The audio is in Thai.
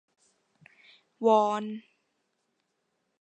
วอน